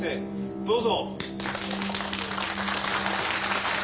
どうぞ。